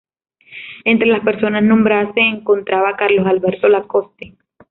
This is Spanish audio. Entre las personas nombradas se encontraba Carlos Alberto Lacoste.